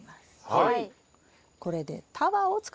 はい。